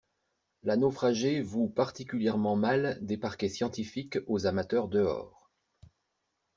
La naufragée voue particulièrement mal des parquets scientifiques aux amateurs dehors.